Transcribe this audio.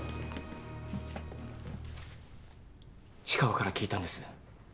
氷川から聞いたんです。